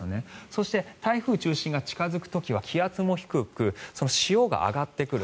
そして、台風中心が近付く時は気圧も低く潮が上がってくる。